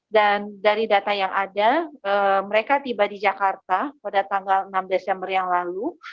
dan dari data yang ada mereka tiba di jakarta pada tanggal enam desember yang lalu